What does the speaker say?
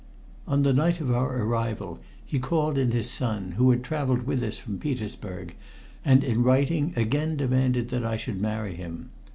"On the night of our arrival he called in his son, who had traveled with us from Petersburg, and in writing again demanded that I should marry him.